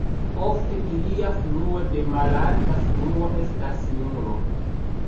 Ofte ilia fluo de malalta fluo estas nulo.